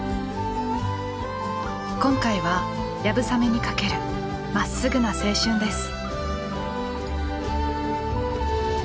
今回は流鏑馬にかけるまっすぐな青春です。